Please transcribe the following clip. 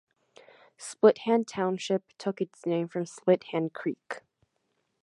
Splithand Township took its name from Split Hand Creek.